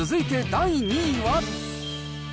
続いて第２位は。